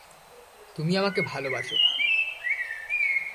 তুমি আমাকে ভালবাসো।